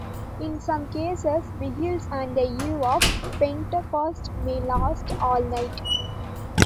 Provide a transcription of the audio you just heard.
In some cases vigils on the Eve of Pentecost may last all night.